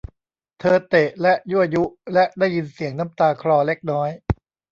เธอเตะและยั่วยุ และได้ยินเสียงน้ำตาคลอเล็กน้อย